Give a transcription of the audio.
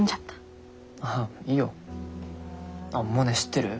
あっモネ知ってる？